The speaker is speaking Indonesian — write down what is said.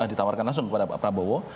ditawarkan langsung kepada pak prabowo